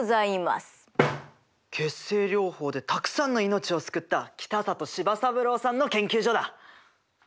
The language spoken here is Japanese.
血清療法でたくさんの命を救った北里柴三郎さんの研究所だ！